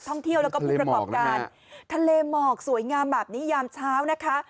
ทะเลหมอกแล้วแม่ทะเลหมอกสวยงามแบบนี้ยามเช้านะคะทะเลหมอกสวยงามแบบนี้ยามเช้านะคะ